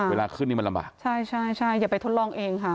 เวลาขึ้นนี่มันลำบากใช่ใช่อย่าไปทดลองเองค่ะ